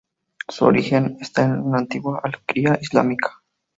Su origen está en una antigua alquería islámica.